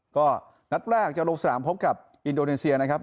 ก็นัดแรกจะลงสนามพบกับอินโดนีเซียนะครับ